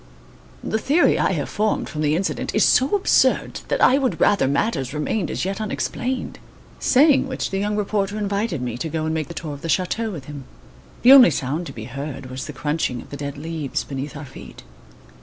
The theory I have formed from the incident is so absurd that I would rather matters remained as yet unexplained." Saying which the young reporter invited me to go and make the tour of the chateau with him. The only sound to be heard was the crunching of the dead leaves beneath our feet.